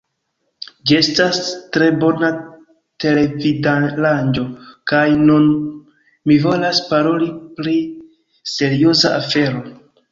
Ĝi estas tre bona televidaranĝo kaj nun mi volas paroli pri serioza afero